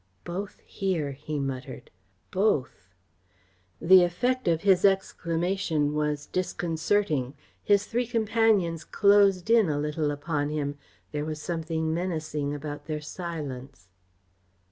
"Both here!" he muttered. "Both!" The effect of his exclamation was disconcerting. His three companions closed in a little upon him. There was something menacing about their silence.